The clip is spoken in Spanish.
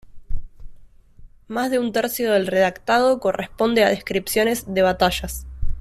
Más de un tercio del redactado corresponde a descripciones de batallas.